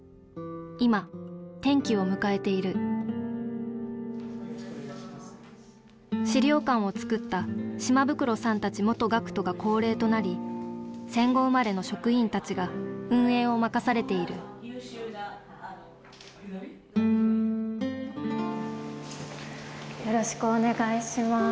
今転機を迎えている資料館を作った島袋さんたち元学徒が高齢となり戦後生まれの職員たちが運営を任されているよろしくお願いします。